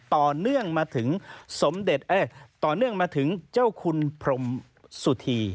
ต่อเนื่องมาถึงเจ้าคุณพรมสุธี